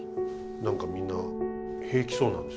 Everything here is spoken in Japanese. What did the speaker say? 何かみんな平気そうなんです。